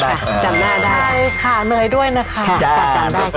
จำหน้าได้ใช่ค่ะเหนื่อยด้วยนะคะ